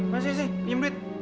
mas ya ya pinjem duit